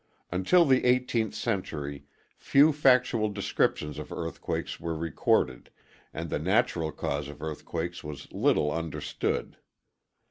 Until the 18th century, few factual descriptions of earthquakes were recorded, and the natural cause of earthquakes was little understood.